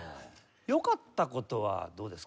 よかった事はどうですか？